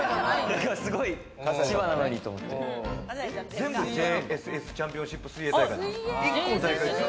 全部ＪＳＳチャンピオンシップ水泳大会。